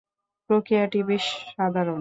প্রক্রিয়াটি বেশ সাধারণ।